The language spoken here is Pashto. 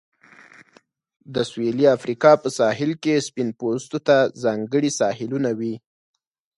د سویلي افریقا په ساحل کې سپین پوستو ته ځانګړي ساحلونه وې.